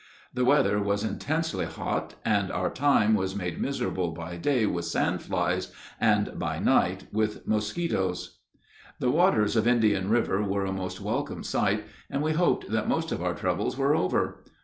The weather was intensely hot, and our time was made miserable by day with sand flies, and by night with mosquitos. The waters of Indian River were a most welcome sight, and we hoped that most of our troubles were over.